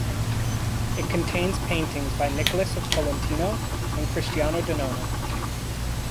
It contains paintings by Nicholas of Tolentino and Cristiano Danona.